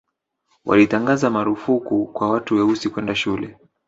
walitangaza marufuku kwa watu weusi kwenda shule